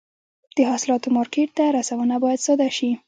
د حاصلاتو مارکېټ ته رسونه باید ساده شي.